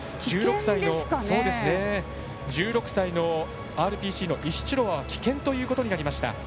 １６歳のＲＰＣのイシチュロワ棄権ということになりました。